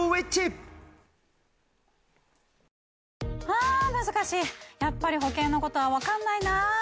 ハァ難しいやっぱり保険のことは分かんないな。